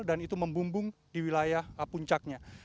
dan itu membumbung di wilayah puncaknya